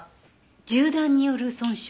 銃弾による損傷？